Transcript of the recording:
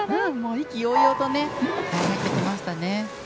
意気揚々と入ってきました。